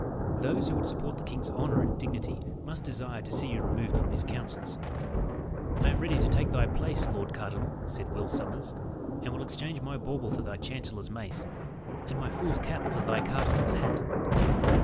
Those who would support the king's honour and dignity must desire to see you removed from his counsels." "I am ready to take thy place, lord cardinal," said Will Sommers; "and will exchange my bauble for thy chancellor's mace, and my fool's cap for thy cardinal's hat."